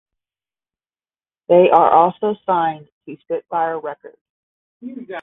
They are also signed to Spitfire Records.